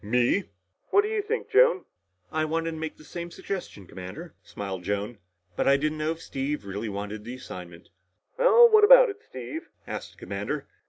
"Me?" "What do you think, Joan?" "I wanted to make the same suggestion, Commander," smiled Joan. "But I didn't know if Steve really would want the assignment." "Well, what about it, Steve?" asked the commander.